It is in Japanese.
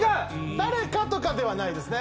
誰かとかではないですね。